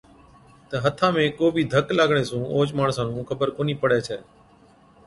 تہ هٿا ۾ ڪو بِي ڌڪ لاگڻي سُون اوهچ ماڻسا نُون خبر ڪونهِي پڙَي ڇَي۔